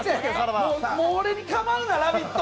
もう俺に構うな「ラヴィット！」。